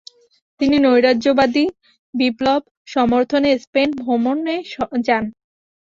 তিনি নৈরাজ্যবাদী বিপ্লব সমর্থনে স্পেন ভ্রমণে যান।